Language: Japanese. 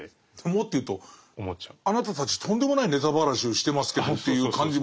もっと言うとあなたたちとんでもないネタばらしをしてますけどっていう感じもしますよね。